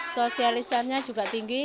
sosialisannya juga tinggi